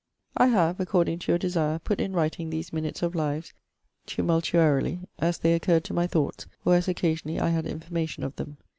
I have, according to your desire, putt in writing these minutes of lives tumultuarily, as they occurr'd to my thoughts or as occasionally I had information of them.